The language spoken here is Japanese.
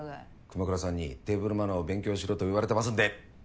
熊倉さんにテーブルマナーを勉強しろと言われてますんで。